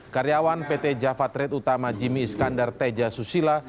karyawan pt jafatret utama jimmy iskandar teja susila